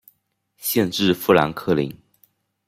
县治富兰克林。